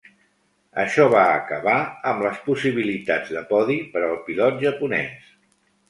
Això va acabar amb les possibilitats de podi per al pilot japonès.